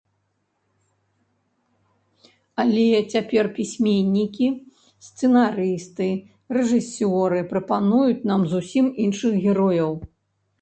Але цяпер пісьменнікі, сцэнарысты, рэжысёры прапануюць нам зусім іншых герояў.